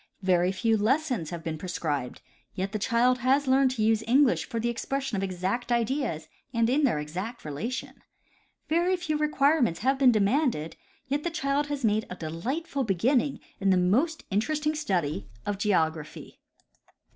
Very few lessons have been prescribed,* 5^ et the child has learned to use English for the expression of exact ideas and in their exact relation. Very few requirements have been de manded, yet the child has made a delightful beginning in the most interesting study of geography.